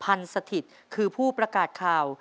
สถิตคือผู้ประกาศข่าว